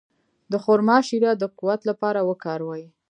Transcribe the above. د خرما شیره د قوت لپاره وکاروئ